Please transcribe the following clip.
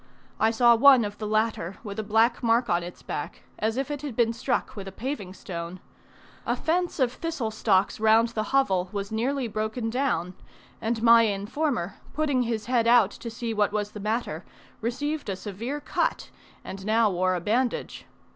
I saw one of the latter with a black mark on its back, as if it had been struck with a paving stone. A fence of thistle stalks round the hovel was nearly broken down, and my informer, putting his head out to see what was the matter, received a severe cut, and now wore a bandage.